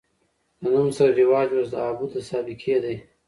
د نوم سره رواج اوس د ابو د سابقې دے